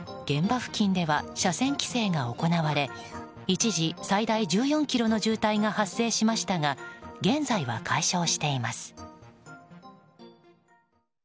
現場付近では車線規制が行われ一時最大１４ｋｍの渋滞が発生しましたが現在は解消しています。